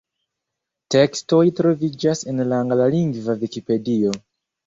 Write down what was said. Tekstoj troviĝas en la anglalingva Vikipedio.